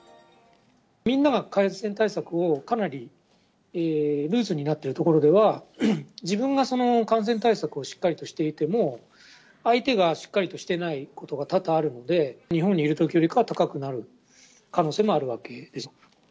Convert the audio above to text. みんなが感染対策をかなりルーズになっている所では、自分が感染対策をしっかりとしていても、相手がしっかりとしていないことが多々あるので、日本にいるときよりかは高くなる可能性もあるわけですよ。